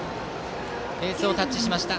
ベースをタッチしました。